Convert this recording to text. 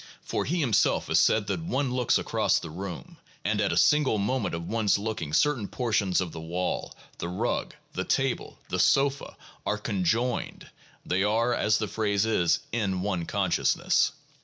For he himself has said that "One looks across the room, and at a single moment of one's looking certain portions of the wall, the rug, the table, the sofa, are conjoined. They are, as the phrase is, 'in one consciousness.'"